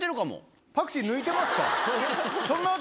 パクチー抜いてますか？